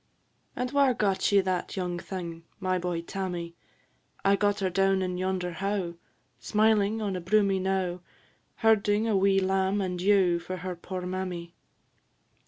"And whare got ye that young thing, My boy, Tammy?" "I gat her down in yonder howe, Smiling on a broomy knowe, Herding a wee lamb and ewe For her poor mammy."